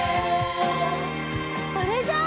それじゃあ。